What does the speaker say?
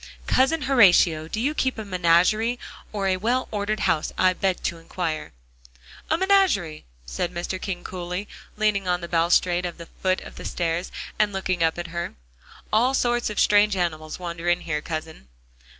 "Cousin Horatio, do you keep a menagerie, or a well ordered house, I beg to inquire?" "A menagerie," said Mr. King coolly, leaning on the balustrade at the foot of the stairs, and looking up at her. "All sorts of strange animals wander in here, Cousin."